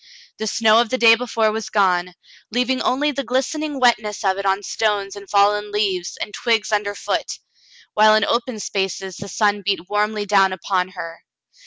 The snow of the day before was gone, leaving only the glistening wetness of it on stones and fallen leaves and twigs under foot, while in open spaces the sun beat warmly down upon her.